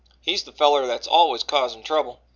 He's the feller that's always causin' trouble.